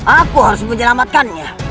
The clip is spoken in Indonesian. aku harus menjelamatkannya